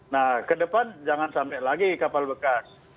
nah kedepan jangan sampai lagi kapal bekas